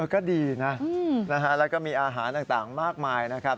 ก็ดีนะแล้วก็มีอาหารต่างมากมายนะครับ